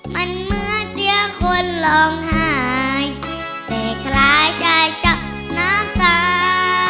มันเหมือนเสียคนร้องหายแต่คล้ายชายชะน้ำตา